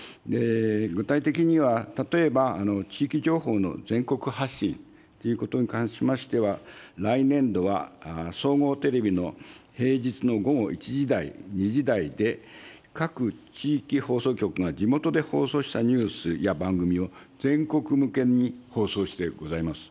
具体的には、例えば地域情報の全国発信ということに関しましては、来年度は総合テレビの平日の午後１時台、２時台で、各地域放送局が地元で放送したニュースや番組を全国向けに放送してございます。